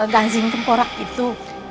gansing tenggorak itu